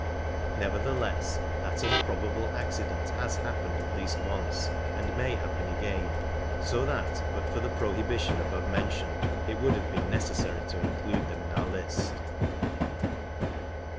Nevertheless, that improbable accident has happened at least once, and may happen again, so that but for the prohibition above mentioned it would have been necessary to include them in our list.